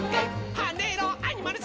「はねろアニマルさん！」